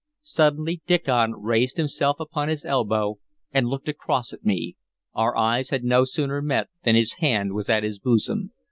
Suddenly Diccon raised himself upon his elbow, and looked across at me. Our eyes had no sooner met than his hand was at his bosom.